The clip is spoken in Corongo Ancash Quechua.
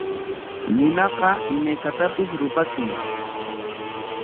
Ninaqam imaykatapis rupachin.